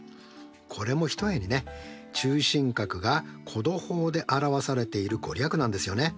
これもひとえにね中心角が弧度法で表されている御利益なんですよね。